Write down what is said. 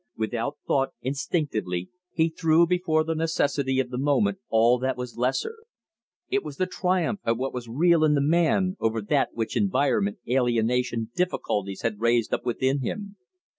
Without thought, instinctively, he threw before the necessity of the moment all that was lesser. It was the triumph of what was real in the man over that which environment, alienation, difficulties had raised up within him.